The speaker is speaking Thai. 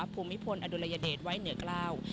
ภูมิพลอดุลยเดชไว้เหนือกล้า